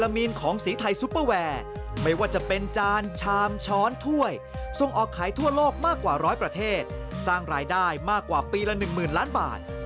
ไม่ว่าจะเป็นจานชามช้อนถ้วยทรงออกขายทั่วโลกมากกว่าร้อยประเทศสร้างรายได้มากกว่าปีละ๑หมื่นล้านบาท